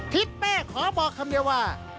พิษแม่ขอบอกคำเดียวว่า